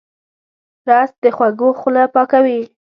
رس د خوږو خوله پاکوي